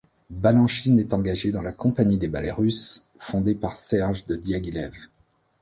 Balanchine est engagé dans la compagnie des Ballets russes fondée par Serge de Diaghilev.